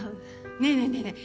ねえねえねえねえ